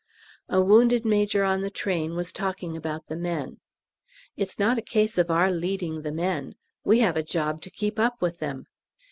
A wounded major on the train was talking about the men. "It's not a case of our leading the men; we have a job to keep up with them."